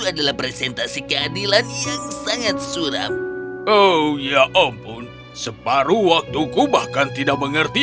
adalah presentasi keadilan yang sangat suram oh ya ampun separuh waktuku bahkan tidak mengerti